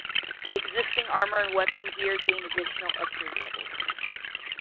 Existing armor and weapon gear gained additional upgrade levels.